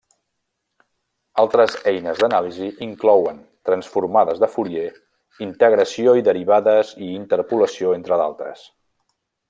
Altres eines d'anàlisi inclouen transformades de Fourier, integració i derivades i interpolació entre d'altres.